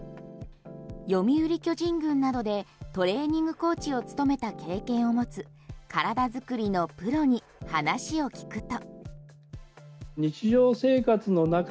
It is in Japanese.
読売巨人軍などでトレーニングコーチを務めた経験を持つ体づくりのプロに話を聞くと。